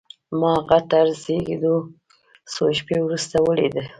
ما هغه تر زېږېدو څو شېبې وروسته وليد.